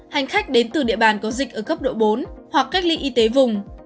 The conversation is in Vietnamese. hành khách đến từ địa bàn có dịch ở cấp độ bốn hoặc cách ly y tế vùng